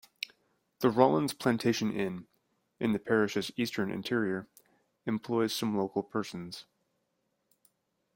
The Rawlin's Plantation Inn, in the parish's eastern interior, employs some local persons.